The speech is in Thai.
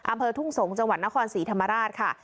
อำเภอทุ่งสงศ์จังหวัดนครศรีธรรมราชค่ะ